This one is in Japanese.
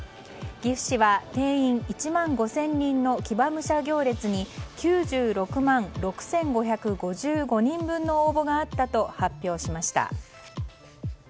岐阜市は定員１万５０００人の騎馬武者行列に９６万６５５５人分の応募があったと発表しました。